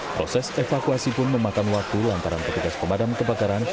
proses evakuasi pun memakan waktu lantaran petugas pemadam kebakaran